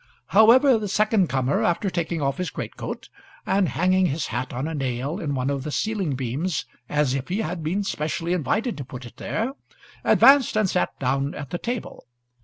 However, the second comer, after taking off his greatcoat and hanging his hat on a nail in one of the ceiling beams as if he had been specially invited to put it there, advanced, and sat down at the table.